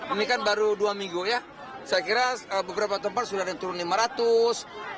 ini kan baru dua minggu ya saya kira beberapa tempat sudah ada yang turun lima ratus